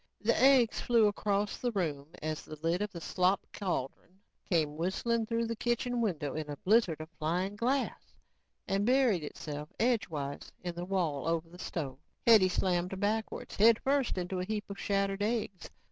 The eggs flew across the room as the lid of the slop cauldron came whistling through the kitchen window in a blizzard of flying glass and buried itself, edgewise, in the wall over the stove. Hetty slammed backwards headfirst into a heap of shattered eggs.